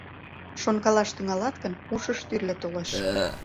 Шонкалаш тӱҥалат гын, ушыш тӱрлӧ толеш.